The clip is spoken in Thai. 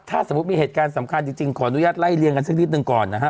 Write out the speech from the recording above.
ถ้าสมมุติมีเหตุการณ์สำคัญจริงขออนุญาตไล่เลี่ยงกันสักนิดหนึ่งก่อนนะฮะ